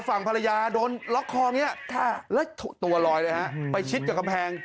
ฝั่งภรรยาโดนล็อกคออย่างนี้แล้วตัวลอยเลยฮะไปชิดกับกำแพง